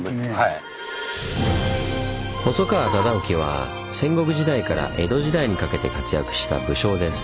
細川忠興は戦国時代から江戸時代にかけて活躍した武将です。